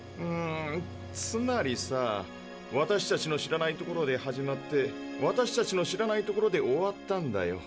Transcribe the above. つまりさ私たちの知らない所で始まって私たちの知らない所で終わったんだよ